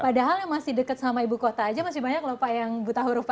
padahal yang masih dekat sama ibu kota aja masih banyak lho pak yang buta huruf